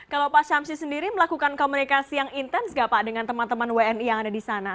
kalau pak syamsi sendiri melakukan komunikasi yang intens nggak pak dengan teman teman wni yang ada di sana